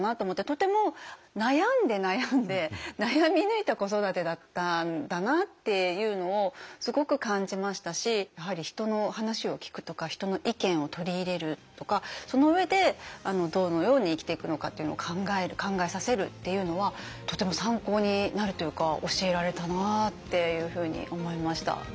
とても悩んで悩んで悩み抜いた子育てだったんだなっていうのをすごく感じましたしやはり人の話を聞くとか人の意見を取り入れるとかその上でどのように生きていくのかというのを考える考えさせるっていうのはとても参考になるというか教えられたなっていうふうに思いました。